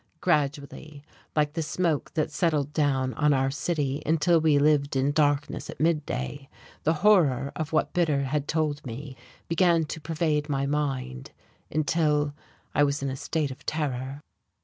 Gradually, like the smoke that settled down on our city until we lived in darkness at midday, the horror of what Bitter had told me began to pervade my mind, until I was in a state of terror.